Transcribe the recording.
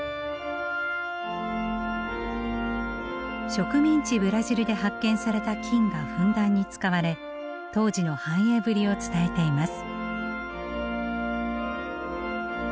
植民地ブラジルで発見された金がふんだんに使われ当時の繁栄ぶりを伝えています。